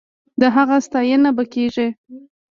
د هغه ستاينه به کېږي.